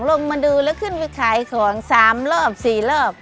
ลงมาดูแล้วขึ้นไปขายของ๓รอบ๔รอบ